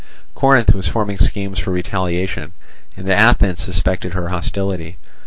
Corinth was forming schemes for retaliation, and Athens suspected her hostility.